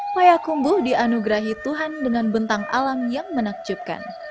payakumbuh dianugerahi tuhan dengan bentang alam yang menakjubkan